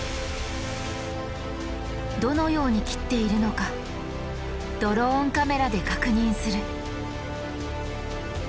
どのように切っているのかドローンカメラで確認する。